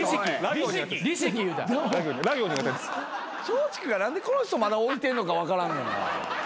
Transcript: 松竹が何でこの人まだ置いてんのか分からんねんな。